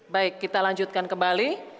baik kita lanjutkan kembali